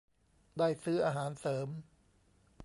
ได้ซื้ออาหารเสริม